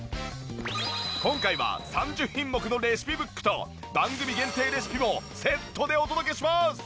今回は３０品目のレシピブックと番組限定レシピもセットでお届けします！